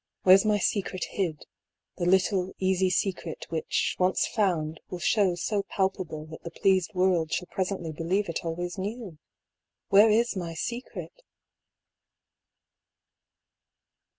Where's my secret hid, the little easy secret which, once found, will shew so palpable that the pleased world shall presently believe it always knew? Where is my secret